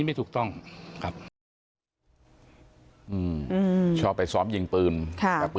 ไม่ตั้งใจครับ